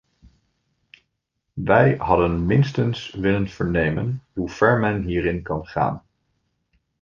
Wij hadden minstens willen vernemen hoe ver men hierin kan gaan.